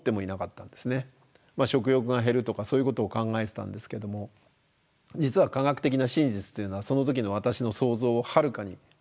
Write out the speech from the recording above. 食欲が減るとかそういうことを考えてたんですけども実は科学的な真実というのはその時の私の想像をはるかに超えていました。